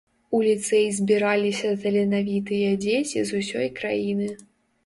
У ліцэй збіраліся таленавітыя дзеці з усёй краіны.